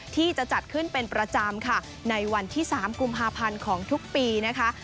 ที่จะจัดขึ้นเป็นประจำค่ะในวันที่๓กุมภาพันธ์ของทุกปีนะคะ